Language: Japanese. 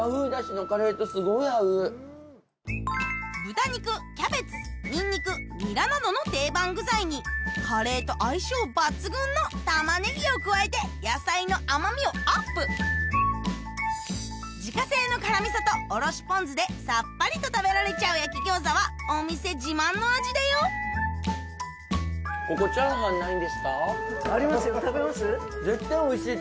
豚肉キャベツニンニクニラなどの定番具材にカレーと相性抜群の玉ネギを加えて野菜の甘みをアップ自家製の辛味噌とおろしポン酢でさっぱりと食べられちゃう焼き餃子はお店自慢の味だよ食べます？